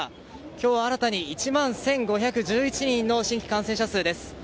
今日新たに１万１５１１人の新規感染者数です。